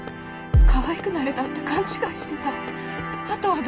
かわいくなれたって勘違いしてた。